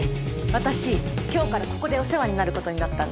私今日からここでお世話になる事になったんで。